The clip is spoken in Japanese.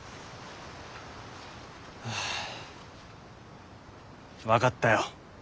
はぁ分かったよ。